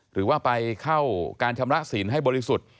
หรือว่าไปเข้าการชำระสินให้บริสุทธิ์